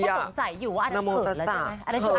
สงสัยอยู่ว่าอันนั้นเขินแล้วใช่ไหม